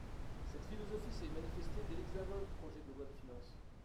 Cette philosophie s’est manifestée dès l’examen du projet de loi de finances.